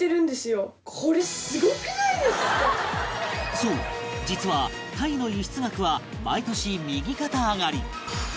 そう実はタイの輸出額は毎年右肩上がり